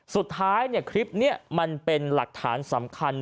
สุดท้ายคลิปนี้มันเป็นหลักฐานสำคัญ